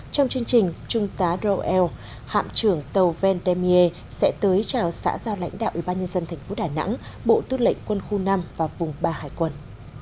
trong chương trình trung tá rô eo hạm trưởng tàu vendémier sẽ tới chào xã giao lãnh đạo ủy ban nhân dân thành phố đà nẵng bộ tư lệnh quân khu năm và vùng ba hải quân